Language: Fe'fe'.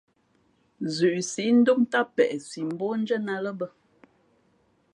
Zʉʼ síʼ ndʉ́ʼ ntám peʼe si mbókndʉ́ά nά ā lά bᾱ.